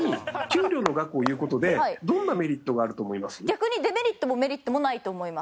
逆にデメリットもメリットもないと思います。